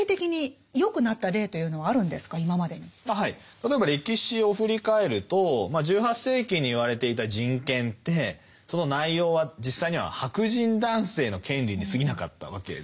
例えば歴史を振り返ると１８世紀に言われていた「人権」ってその内容は実際には白人男性の権利にすぎなかったわけですよね。